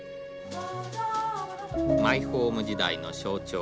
マイホーム時代の象徴。